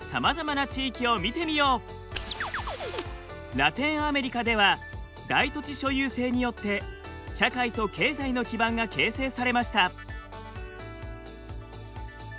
ラテンアメリカでは大土地所有制によって社会と経済の基盤が形成されました。